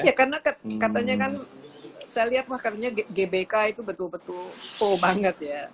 ya karena katanya kan saya lihat wah katanya gbk itu betul betul pro banget ya